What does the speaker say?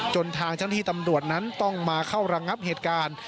จนทางเจ้าหน้าที่ตำรวจนั้นต้องมาเข้าระงับเหตุการณ์